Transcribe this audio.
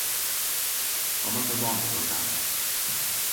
我乜都幫唔到手